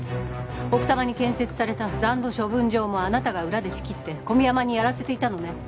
奥多摩に建設された残土処分場もあなたが裏で仕切って小宮山にやらせていたのね。